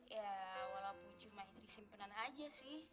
ya walaupun cuma istri simpenan aja sih